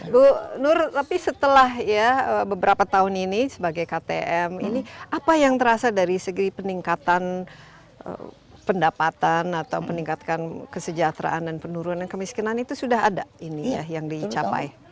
bu nur tapi setelah ya beberapa tahun ini sebagai ktm ini apa yang terasa dari segi peningkatan pendapatan atau meningkatkan kesejahteraan dan penurunan kemiskinan itu sudah ada ini ya yang dicapai